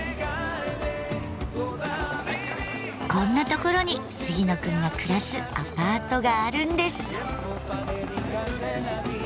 こんな所に杉野くんが暮らすアパートがあるんです。